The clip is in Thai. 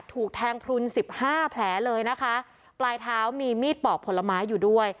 ถูกแทงพลุนสิบห้าแผลเลยนะคะปลายเท้ามีมีดปอกผลไม้อยู่ด้วย